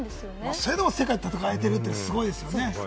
それでも世界で戦えてるのすごいですよね。